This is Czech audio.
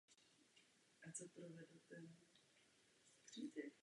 Zakladatelem této skupiny je John Rocca.